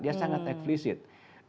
dia sangat efisit